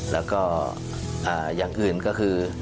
แล้วก็อย่างอื่นก็คือ